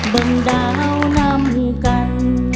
บนดาวนำกัน